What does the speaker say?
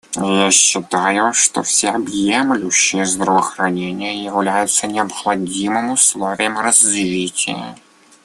Я считаю, что всеобщее здравоохранение является необходимым условием развития.